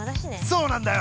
そうなんだよ。